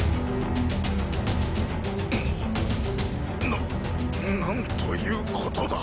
な何ということだ。